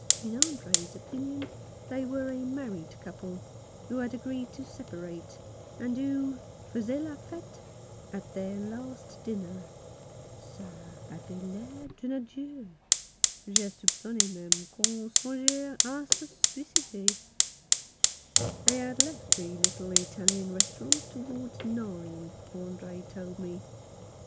In Andre's opinion they were a married couple, who had agreed to separate, and who faisaient la fete at their last dinner. "Ca avait l'air d'un adieu. J'ai soupconne meme qu'on songeait a se suicider." They had left the little Italian restaurant towards nine, Andre told me.